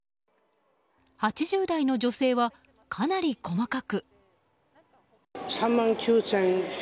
８０代の女性はかなり細かく。